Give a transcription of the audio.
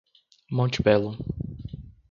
Monte Belo